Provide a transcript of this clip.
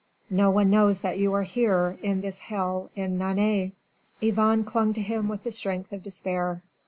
No one knows that you are here, in this hell in Nantes." Yvonne clung to him with the strength of despair.